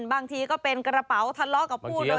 บางทีก็เป็นกระเป๋าทะเลาะกับผู้โดย